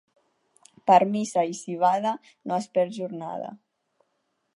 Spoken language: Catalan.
Per missa i civada no es perd jornada.